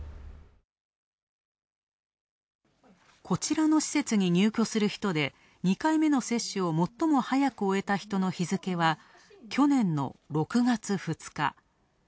こちらの施設に入居する人で、２回目の接種をもっとも早く終えた人の日付は去年の６月２日。